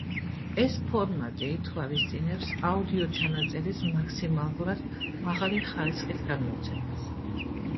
ეს ფორმატი ითვალისწინებს აუდიოჩანაწერის მაქსიმალურად მაღალი ხარისხით გადმოცემას.